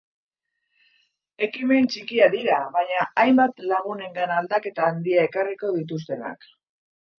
Ekimen txikiak dira, baina hainbat lagunengan aldaketa handia ekarriko dituztenak.